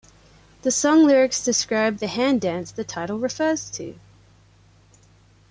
The song lyrics describe the hand dance the title refers to.